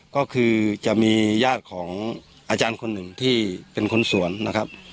ก็คือจะมีญาติของอาจารย์คนหนึ่งที่เป็นคนสวนนะครับ